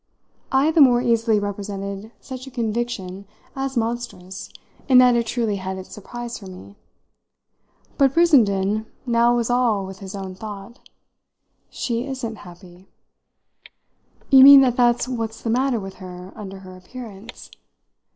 I the more easily represented such a conviction as monstrous in that it truly had its surprise for me. But Brissenden now was all with his own thought. "She isn't happy." "You mean that that's what's the matter with her under her appearance